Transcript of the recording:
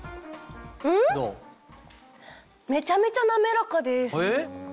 めちゃめちゃ滑らかです！